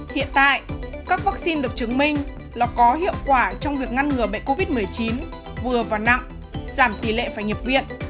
hiện tại các vaccine được chứng minh là có hiệu quả trong việc ngăn ngừa bệnh covid một mươi chín vừa và nặng giảm tỷ lệ phải nhập viện